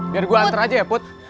biar gue antar aja ya put